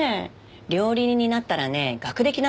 料理人になったらね学歴なんて関係ないしね。